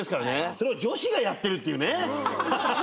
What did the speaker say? それを女子がやってるっていうね。